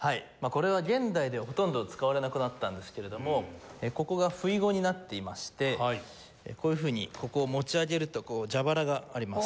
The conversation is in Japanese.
これは現代ではほとんど使われなくなったんですけれどもここがふいごになっていましてこういうふうにここを持ち上げるとこう蛇腹があります。